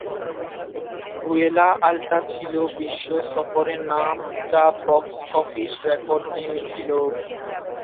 ভুয়েলা আল্টো ছিল বিশ্ব সফরের নাম যা বক্স অফিস রেকর্ড ভেঙ্গেছিল।